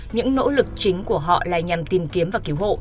những nỗ lực chính của họ là nhằm tìm kiếm và cứu hộ